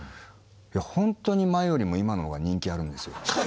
本当に前よりも今の方が人気あるんですよ。